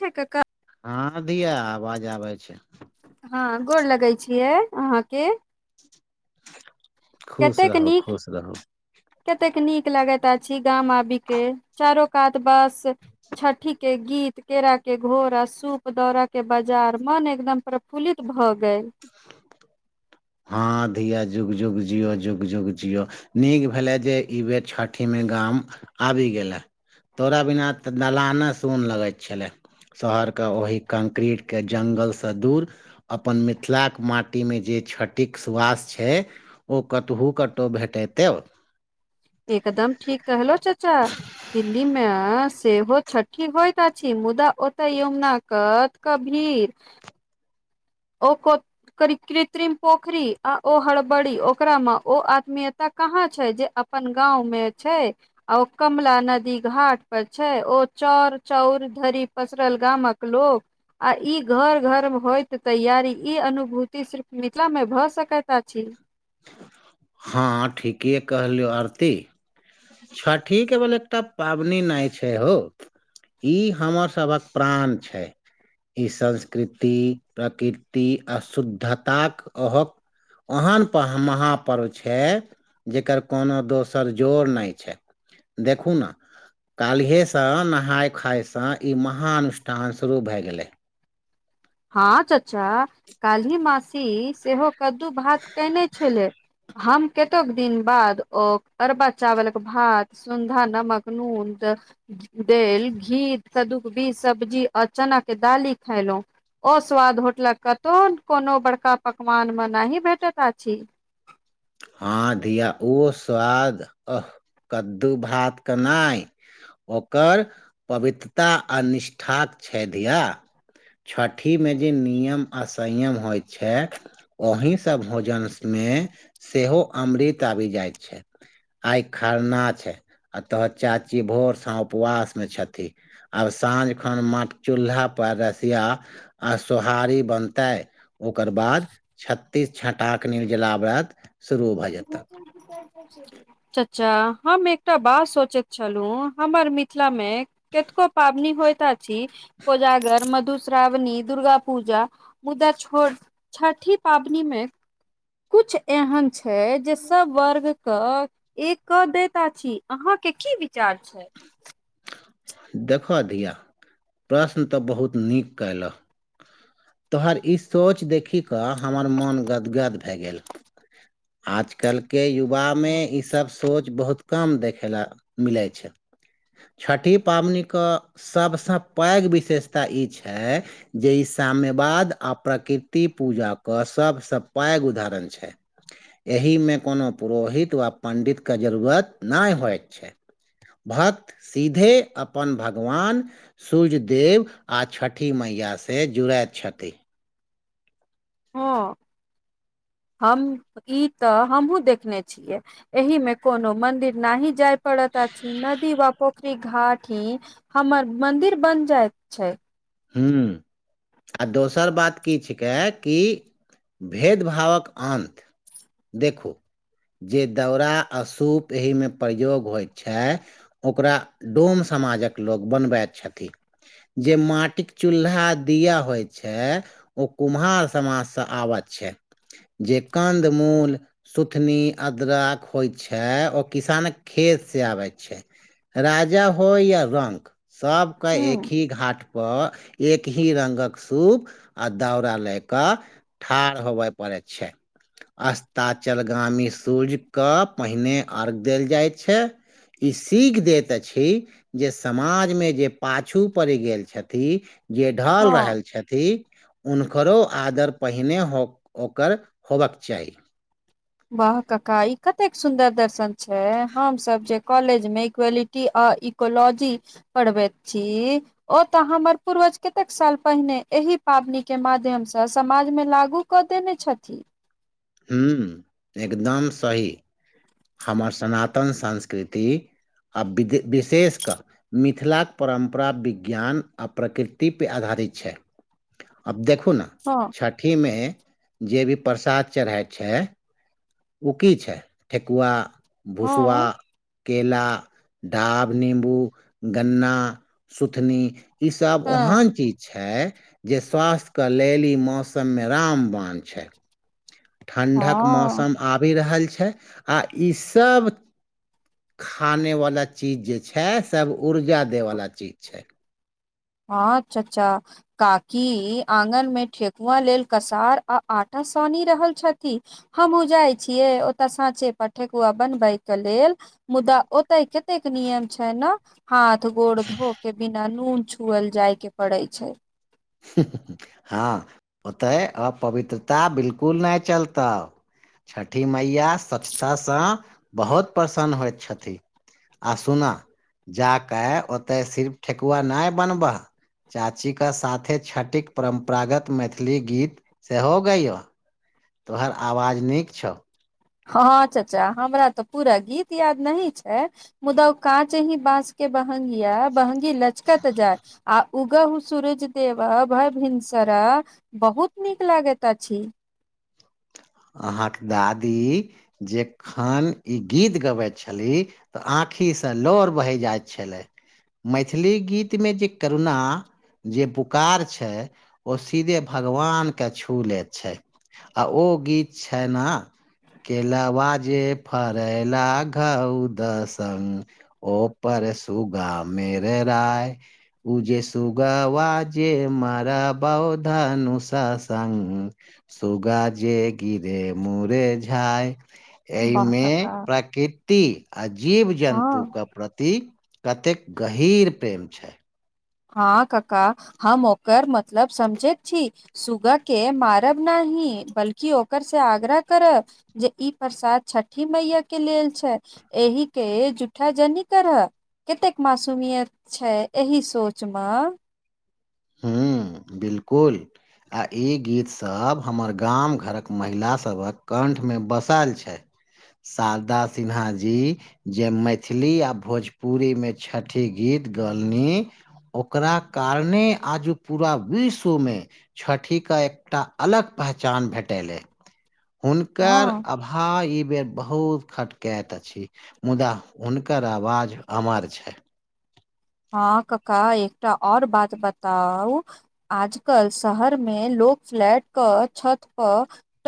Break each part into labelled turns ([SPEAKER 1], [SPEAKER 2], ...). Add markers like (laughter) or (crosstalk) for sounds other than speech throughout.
[SPEAKER 1] छै क क
[SPEAKER 2] हँ धिया आवाज आबै छै
[SPEAKER 1] हँ गोड़ लगै छियै अहाँके
[SPEAKER 2] (inaudible) खुश
[SPEAKER 1] कतेक
[SPEAKER 2] रहू
[SPEAKER 1] नीक
[SPEAKER 2] खुश रहू
[SPEAKER 1] कतेक नीक लागैत अछि गाम आबी के चारो कात बस छठि के गीत केरा के घोर आ सूप दौरा के बाजार मन एकदम प्रफुल्लित भगेल
[SPEAKER 2] हँ दैया जुग जुग जियो जुग जुग जियो नीक भेलए जे ई बेर छठिमे गाम आबि गेलए तोरा बिना तऽ दलाना सुन लगै छलै शहरके ओही कंक्रीटके जंगलसँ दूर अपन मिथिलाक माटीमे जे छठ टिक्स वास छै ओ कतहु कतौ भेटेतब
[SPEAKER 1] एकदम ठीक कहलो चच्चा दिल्ली मे सेहो छठी होइत अछि मुदा ओतय यमुना कत कभीर ओ कृत्रिम पोखरी आ ओ हड़बड़ी ओकरामे ओ आत्मीयता कहाँ छै जे अपन गाँव में छै आ ओ कमला नदी घाट पर छै ओ चोर चाउर धरी पसरल गामक लोक आ ई घर घर मे होइत त तैयारी ई अनुभूति सिर्फ मिथिला मे भ सकैत छी
[SPEAKER 2] हँ ठीकेे कहलियौ आरती छठि केवल एकटा पाबनि नहि छै हो ई हमर सभक प्राण छै ई संस्कृति प्रकृति आ शुद्धताक अहक ओहन महापर्व छै जेकर कोनो दोसर जोर नै छै देखू ना काल्हिसँ नहाय खुायसँ ई महानुष्ठान शुरू भए गेलै
[SPEAKER 1] हँ चाचा काल्ही मासी सेहो कद्दू भात कयने छलै हम कतेक दिन बाद ओ अरबा चावल के भात सुंधा नमक नून द देल घी सद्दूक बीज सब्जी आ चना के दाली खेलहु ओ स्वाद होटलक कतहु कोनो बड़का पकवानमे नहि भेटैत अछि
[SPEAKER 2] हँ धिया ओ स्वाद अह कद्दू भातके नै ओकर पवित्रता आ निष्ठाके छै धिया छठिमे जे नियम आ संयम होइ छै ओहि से भोजन स्नेह सेहो अमृत आबि जाइत छै आई खरना छै आ तोहर चाची भोरसे उपवास में छथि आब साँझ खन मट चूल्हा पर रसिया आ सोहारी बनतै ओकर बाद छत्तीस छटाके निर्जला व्रत शुरू भऽ जेतक
[SPEAKER 1] क (unintelligible) चच्चा हम एकटा बात सोचैत छलहुँ हमर मिथिला मे केतको पाबनी होइत अछी कोजागर मधु श्रावणी दुर्गा पूजा मुदा छो छठि पाबनी मे किछ एहन छै जे सब वर्गक एक क दैता छी अहाँ के की विचार छै
[SPEAKER 2] देखह धिया प्रश्न तऽ बहुत नीक कयलह तोहर ई सोच देखि कऽ हमर मोन गदगद भए गेल आजकलके युवामे ईसब सोच बहुत कम देखेला मिलै छै छठी पाबनिके सबसँ पैघ विशेषता ई छै जे ई साम्यवाद आ प्रकृति पूजा क सबसँ पैघ उदाहरण छै एहिमे कोनो पुरोहित वा पण्डितके जरूरत नहि होइत छै भात सीधे अपन भगवान सूर्यज देव आ छठि मैयासँ जुड़ैत छथि
[SPEAKER 1] हँ हम ई तऽ हमहुँ देखने छियै एहि मे कोनो मंदिर न ही जाय पड़त अछि नदी वा पोखरी घाट ही हमर मंदिर बन जायत छै
[SPEAKER 2] हू आ दोसर बात की छिकै कि भेदभावक अन्त देखू जे दौरा आ सूप एहिमे प्रयोग होइत छै ओकरा डोम समाजक लोक बनबैत छथिन जे माट चूल्हा दिया होय छै ओ कुम्हार समाज से आबत छै जे कंध मून सुथनी अदरक होइ छै ओ किसान खेतसँ आबै छै राजा हो या रंक सबके एक
[SPEAKER 1] हूँ
[SPEAKER 2] ही घाट पर एक ही र्ंगक सूप आ दौरा लय कऽ ठार होबय पड़ैत छै अस्ताचलगामी सूर्यजक पहिने अर्घ्य देल जाइ छै ई सीख दैत अछि जे समाजमे जे पाछू पड़ि गेल छथि ति जे ढल
[SPEAKER 1] हँ
[SPEAKER 2] रहल छथि हुनकरो आदर पहिने होकर ओकर होबाक चाही
[SPEAKER 1] वाह काका ई कतेक सुन्दर दर्शन छै हम सब जे कॉलेज मे इक्वलिटीअ इ कोलॉजी पढ़बैत छी ओ तय हमर पूर्वज कतेक साल पहिने एहि पाबनिके माध्यमसँ समाजमे लागू क देने छथि
[SPEAKER 2] हू एकदम सही हमर सनातन संस्कृति आब विदे विशेष कऽ मिथिलाक परम्परा विज्ञान आ प्रकृतिपे आधारित छै आब देखु न
[SPEAKER 1] हँ
[SPEAKER 2] छठिमे जे भी प्रसाद चढ़इ छै ओ की छै ठेकुआ भुसुआ
[SPEAKER 1] हँ
[SPEAKER 2] केेला ढाब नीमबू गन्ना सुथनी ई सब
[SPEAKER 1] हँ
[SPEAKER 2] ओहन चीज छै जे स्वास्थ्यक लेल ई मौसममे रामवान छै ठण्ढक
[SPEAKER 1] हँ
[SPEAKER 2] मौसम आबि रहल छै आ ईसब खानेवला चीज जे छै सभ ऊर्जा देबवला चीज छै
[SPEAKER 1] हँ चच्चा काकी आँगन मे ठेकुआ लेल कसार आ आटा सानि रहल छथि हमहु जाइ छियै ओतय साँचे पर ठकुआ बनबै के लेल मुदा ओतऽ कतेक नियम छै न हाथ गोड़ धोक के बिना नून छु खुअल जाय के पड़े छै
[SPEAKER 2] हँ ओतय अपवित्रता बिल्कुल नहि चलतौ छठि मैया स्वच्छतासँ बहुत प्रसन्न होइत छथिन आ सुनअ जाके ओते सिर्फ ठेकुआ नहि बनबह चाची के साथ थे छठिके परम्परागत मैथिली गीत सेहो गैयो तोहर आवाज नीक छौ
[SPEAKER 1] हँ हँ चच्चा हमरा तऽ पूरा गीत याद नहि छै मुदा काँचही बाँस के बहंगिया बंहगी लचकत जाय आ उगहु सूरज देव भय भिनसरह बहुत नीक लागैत अछि
[SPEAKER 2] अहाँके दादी जेखन ई गीत गबैत छली तऽ आँखिसँ लोर बहि जाइत छलै मैथिली गीतमे जे करुणा जे पुकार छै ओ सीधे भगवान के छू ले छै आ ओ गीत छै ना केलवा जे फरैला घउ दसङ् ओपर सूगा मेर राय उजे सुगवा जे मराबउ धानुस स्ंग सुगा जे गिरे मुरे झाय
[SPEAKER 1] वाह
[SPEAKER 2] एहिमे
[SPEAKER 1] कका
[SPEAKER 2] प्रकृति आ जीव
[SPEAKER 1] हँ
[SPEAKER 2] जन्तुके प्रति कतेक गहीर प्रेम छै
[SPEAKER 1] हँ कक्का हम ओकर मतलब समझैत छी सुगा के मारब न ही बल्कि ओकर से आग्रह करब जे ई प्रसाद छठी मैया के लेल छै एहि के झूठा जनी करह कतेक मासूमियत छै एहि सोच सोच मा
[SPEAKER 2] हूँ बिल्कुल आ ई गीतसभ हमर गाम घरक महिलासभक कण्ठमे बसायल छै शारदा सिन्हा जी जे मैथिली आ भोजपुरीमे छठि गीत गलनी ओकरा कारणे आज पूरा विश्व मे छठिके एकटा अलग पहचान भेटेलै हुनकर
[SPEAKER 1] हँ
[SPEAKER 2] अभाव हाँ ई बेर बहुत खटकैत अछि मुदा हुनकर आवाज अमर छै
[SPEAKER 1] हँ कक्का एकटा आओर बात बताउ आजकल शहर मे लोग फ्लैट क छत प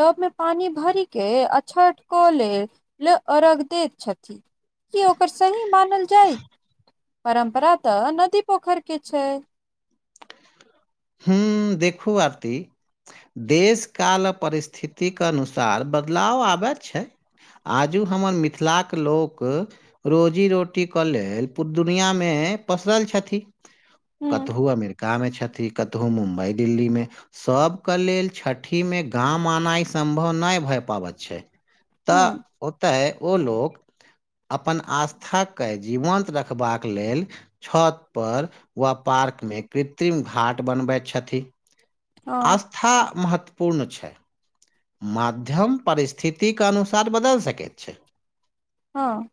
[SPEAKER 1] टब मे पानि भर के आ छठ कले अर्घ दैत छथिन कि ओकर सही मानल जाय परम्परा तऽ नदी पोखर के छै
[SPEAKER 2] हूँ देखू आरती देशकाल परिस्थितिक अनुसार बदलाव आबैत छै आजू हमर मिथिलाके लोक रोजी रोटीके लेल पू दुनियामे पसरल छथिन
[SPEAKER 1] ह
[SPEAKER 2] कतहु अमेरिका मे छथि कतहु मुम्बई दिल्ली मे सभके लेल छठिमे गाम आनाइ सम्भव नहि भैऽ पाबैत छै त
[SPEAKER 1] ह
[SPEAKER 2] ओतय ओ लोग अपन आस्थाकेँ जीवन्त रखबाक लेल छत पर वा पार्क मे कृत्रिम घाट बनबैत छथि
[SPEAKER 1] हँ
[SPEAKER 2] आस्था महत्वपूर्ण छै माध्यम परिस्थितिक अनुसार बदलि सकैत छै
[SPEAKER 1] हँ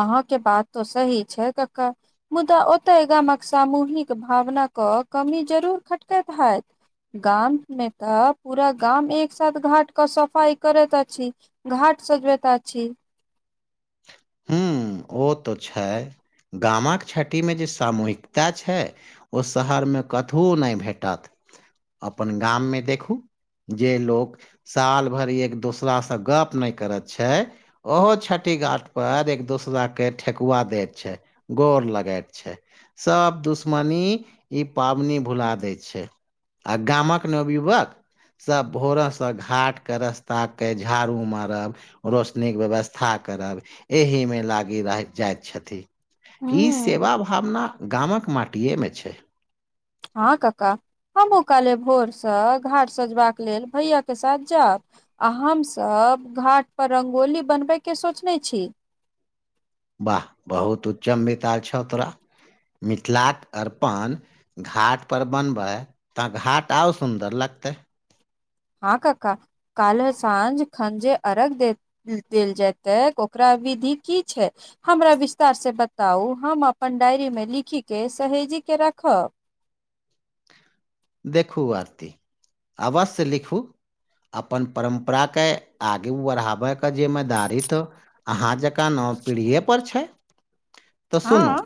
[SPEAKER 1] अहाँके बात तो सही छै कका मुद्दा ओतय गामक सामूहिक भावनाके कमी जरूर खटकैत हैत गाम मे तऽ पूरा गाम एक साथ घाट के सफाई करैत अछि घाट सजबैत अछि
[SPEAKER 2] हुँ ओ तऽ छै गामक छठि मे जे सामूहिकता छै ओ शहरमे कतहु नहि भेटत अपन गाममे देखू जे लोक साल भरि एक दोसरा से गप नहि करैत छै ओहो छठी घाट पर एक दोसरा के ठेकुआ देय छै गोर लगयत छै सभ दुश्मनी ई पाबनि भुला दै छै आ गामक नवयुवक सब भोर से घाट के रस्ता के झाड़ू मारब रोशनीके व्यवस्था करब एहि मे लागी रहथ जाइत छथि
[SPEAKER 1] ह
[SPEAKER 2] ई सेवा भावना गामक माटिेमे छै
[SPEAKER 1] हँ काका हमहुँ काल्हि भोरसँ घाट सजबाक लेल भैया के साथ जायब आ हमसभ घाट पर रंगोली बनबय के सोचने छी
[SPEAKER 2] वाह बहुत उच्चम वितार छौ तोरा मिथिलाक अर्पण घाट पर बनबै तऽ घाट आउ सुन्दर लगतै
[SPEAKER 1] हँ कका काल साँझ खंजे अरग देैत देल जेयतै ओकरा विधि की छै हमरा विस्तार से बताउ हम अपन डायरीमे लिखी के सहेजी के रखब
[SPEAKER 2] देखू आरती अवश्य लिखू अपन परम्पराके आगू बढ़ाबैके के जिम्मेदारी तऽ अहाँ जकाँ नव पीढ़ीए पर छै तऽ सुनू
[SPEAKER 1] हँ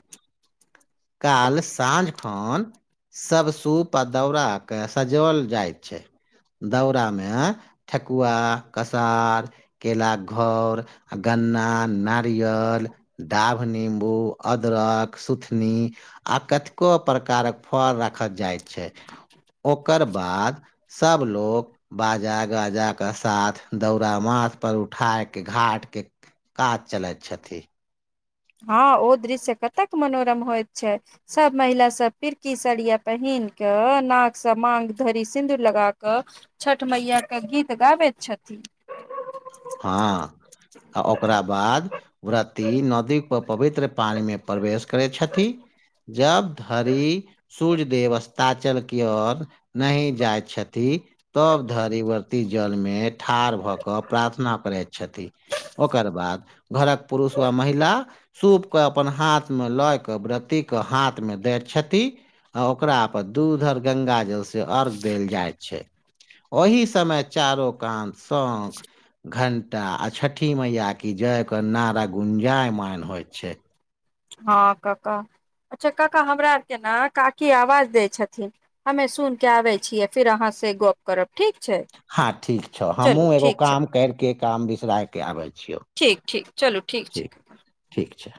[SPEAKER 2] काल साँझ खन सब सुूप पदौड़ के सजोल जाय छै दौरा मे आं ठकुआ कसार केलरा घर आ गन्ना नारियल डाभ नीमबू अदरक सुथनी आ कतेको प्रकारक फल राखल जाइत छै ओकर बाद सब लोक बाजा गाजाके साथ दौड़ा माथपर उठााय कऽ घाटके कात चलैत छथि
[SPEAKER 1] हँ ओ दृश्य कतक मनोरम होइत छै सभ महिला सब पिड़की सड़िया पहिन क नाकसँ मांग धरी सिन्दूर लगा कऽ छठ मैय के गीत गाबैत छथिन
[SPEAKER 2] हँ आ ओकरा बाद ओकरा पुरा दिन नदी पवित्र पानी मे प्रवेश करै छथिन जब धरि सूर्य देव अस्ताचल क और नही जाय छथि तब धरि व्रती जल मे ठाड़ भऽ कऽ प्रार्थना करैत छथि ओकर बाद घरक पुरुष वा महिला सूपकेँ अपन हाथमे लऽ कऽ व्रतीके हाथमे दै छथि आ ओकरा पर दू उधर गंगा जलस अर्घ्य देल जाइ छै ओहि समय चारो कान शौख घण्टा आ छठि मैया कि जा कऽ नारा गुञ्जायमायन होइत छै
[SPEAKER 1] हँ काका अच्छा काका हमरा आर के ने काकी आवाज दै छथिन हमे सुन के आबै छियै फिर अहाँ से गप करब ठीक छै
[SPEAKER 2] हँ ठीक छौ हमहु
[SPEAKER 1] चलू
[SPEAKER 2] एगो
[SPEAKER 1] ठीक छै
[SPEAKER 2] काम कर के काम बिसराय के आबे छियौ
[SPEAKER 1] ठीक ठीक चलू ठीक छै
[SPEAKER 2] ठीक छै